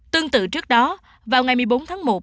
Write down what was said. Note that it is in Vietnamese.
tương tự trước đó vào ngày một mươi bốn tháng một